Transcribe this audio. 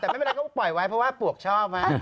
แต่ไม่เป็นไรก็ปล่อยไว้เพราะว่าปวกชอบมาก